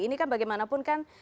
ini kan bagaimanapun kan